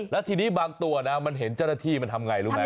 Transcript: แล้วทีนี้บางตัวนะมันเห็นเจ้าหน้าที่มันทำไงรู้ไหม